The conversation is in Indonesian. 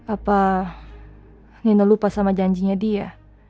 apa nina lupa sama janjinya dia